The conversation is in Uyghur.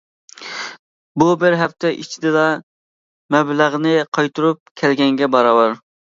بۇ بىر ھەپتە ئىچىدىلا مەبلەغنى قايتۇرۇپ كەلگەنگە باراۋەر.